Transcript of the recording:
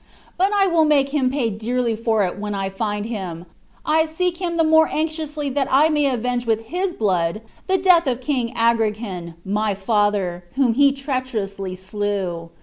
But I will make him pay dearly for it when I find him I seek him the more anxiously that I may avenge with his blood the death of King Agrican, my father, whom he treacherously slew.